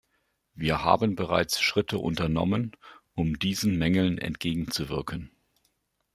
Wir haben bereits Schritte unternommen, um diesen Mängeln entgegenzuwirken.